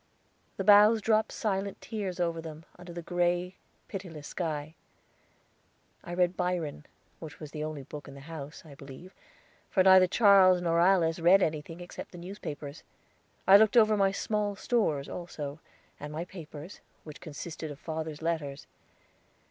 The boughs dropped silent tears over them, under the gray, pitiless sky. I read Byron, which was the only book in the house, I believe; for neither Charles nor Alice read anything except the newspapers. I looked over my small stores also, and my papers, which consisted of father's letters.